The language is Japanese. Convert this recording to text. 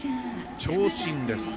長身です。